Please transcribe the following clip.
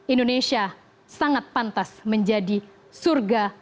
indonesia sangat pantas menjadi surga